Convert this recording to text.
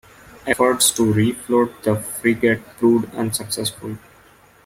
Efforts to refloat the frigate proved unsuccessful.